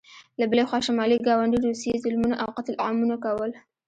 له بلې خوا شمالي ګاونډي روسیې ظلمونه او قتل عامونه کول.